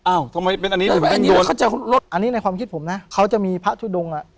ทำไมเป็นอันนี้ทำไมรถอันนี้ในความคิดผมนะเขาจะมีพระทุดงอ่ะ